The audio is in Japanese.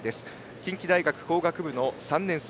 近畿大学工学部の３年生。